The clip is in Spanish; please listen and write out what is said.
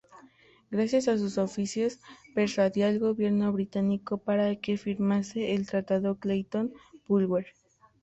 Gracias a sus oficios, persuadió al gobierno británico para que firmase el Tratado Clayton-Bulwer.